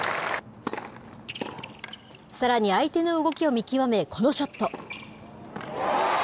さらに相手の動きを見極め、このショット。